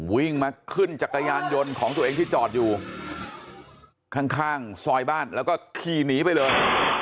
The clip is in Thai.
วิ่งมาขึ้นจักรยานยนต์ของตัวเองที่จอดอยู่ข้างซอยบ้านแล้วก็ขี่หนีไปเลย